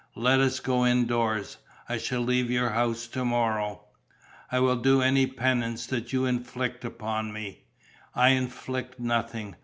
Let us go indoors. I shall leave your house to morrow." "I will do any penance that you inflict upon me." "I inflict nothing.